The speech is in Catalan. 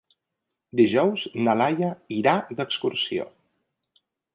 Dijous na Laia irà d'excursió.